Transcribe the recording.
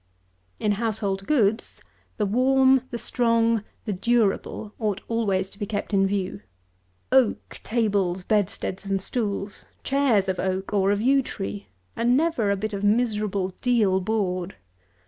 200. In household goods, the warm, the strong, the durable, ought always to be kept in view. Oak tables, bedsteads and stools, chairs of oak or of yew tree, and never a bit of miserable deal board.